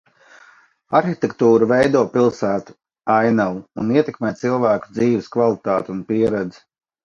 Arhitektūra veido pilsētu ainavu un ietekmē cilvēku dzīves kvalitāti un pieredzi.